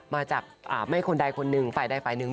มาจากไม่คนใดคนหนึ่งฝ่ายใดฝ่ายหนึ่ง